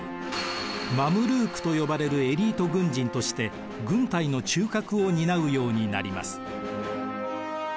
マムルークと呼ばれるエリート軍人として軍隊の中核を担うようになります。